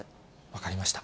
分かりました。